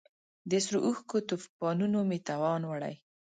د سرو اوښکو توپانونو مې توان وړی